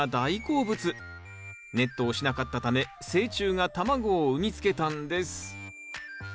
ネットをしなかったため成虫が卵を産みつけたんです。